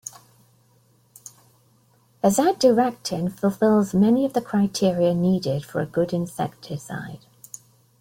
Azadirachtin fulfills many of the criteria needed for a good insecticide.